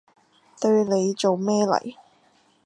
對你做咩嚟？